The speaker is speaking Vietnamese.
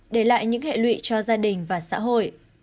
để lại những hệ lụy cho gia đình và xã hội